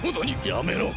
やめろ！